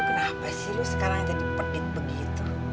kenapa sih lu sekarang jadi pedit begitu